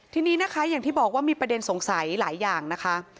ทีนี้นะคะอย่างที่บอกว่ามีประเด็นสงสัยหลายอย่างนะคะ